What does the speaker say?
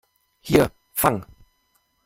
Hier, fang!